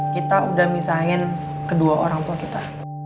kita udah misahin kedua orang tua kita